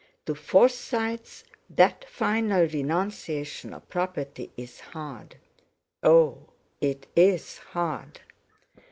To Forsytes that final renunciation of property is hard. Oh! it is hard!